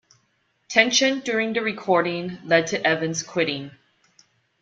Tension during the recording led to Evans quitting.